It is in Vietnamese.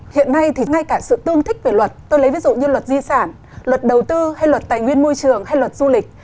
hiện nay thì ngay cả sự tương thích về luật tôi lấy ví dụ như luật di sản luật đầu tư hay luật tài nguyên môi trường hay luật du lịch